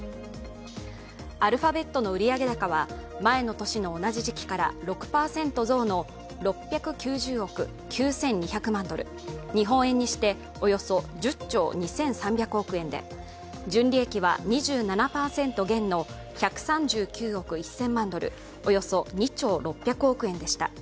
アルファベットの売上高は前の年の同じ時期から６％増の６９０億９２００万ドル、日本円にしておよそ１０兆２３００億円で純利益は２７％減の１３９億１０００万ドルおよそ２兆６００億円でした。